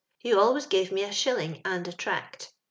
He al ways gave me a shilling and a ti*act.